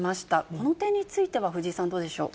この点については藤井さん、どうでしょう。